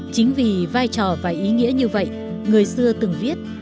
chính vì vai trò và ý nghĩa như vậy người xưa từng viết